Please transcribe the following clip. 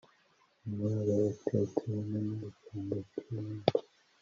nkumuraba utetse umena icyombo cyibumba